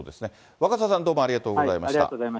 若狭さん、ありがとうございました。